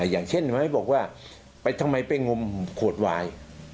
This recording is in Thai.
อย่างเช่นไว้บอกว่าไปทำไมไปงมขวดวาย